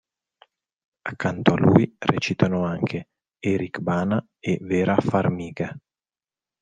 Accanto a lui recitano anche Eric Bana e Vera Farmiga.